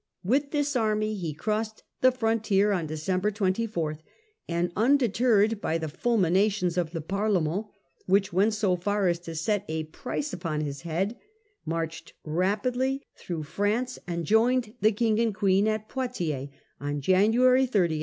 With this army he crossed the frontier on December 24, and undeterred by the Eliminations of the Parlement , which went so far as to set a price upon his „ head, marched rapidly through France and joins the joined the King and Queen at Poitiers on eourt.